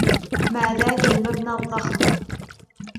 ما ذاك المبنى الضخم ؟